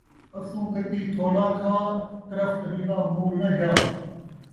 اسوں کتی تھولا کھا، طرف طبیباں مول ناں جا